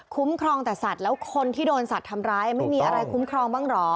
ครองแต่สัตว์แล้วคนที่โดนสัตว์ทำร้ายไม่มีอะไรคุ้มครองบ้างเหรอ